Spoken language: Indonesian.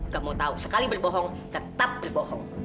kamu tahu sekali berbohong tetap berbohong